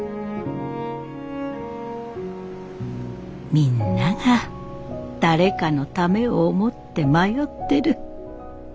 みんなが誰かのためを思って迷ってる。